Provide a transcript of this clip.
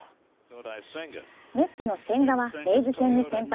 メッツの千賀はレイズ戦に先発。